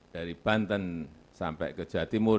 dari banten sampai ke jawa timur